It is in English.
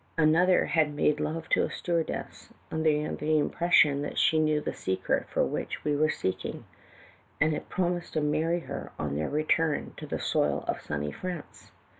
Another had made love to a stewardess, under the impression that she knew the secret for which we were seeking, and had promised to marry her on their return to the soil of sunny France.